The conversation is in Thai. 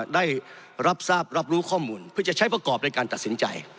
ได้รับทราบรับรู้ข้อมูลเพื่อจะใช้ประกอบในการตัดสินใจ